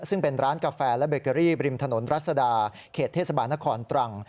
ซึ่งเป็นร้านกาแฟและเบเกอรี่บริมถนนรัศดาเขตเทศบาลนครตรัง